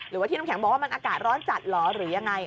หรือว่าที่น้ำแข็งบอกว่ามันอากาศร้อนจัดเหรอหรือยังไง